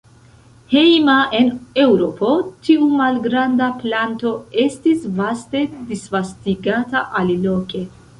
Hejma en Eŭropo, tiu malgranda planto estis vaste disvastigata aliloke.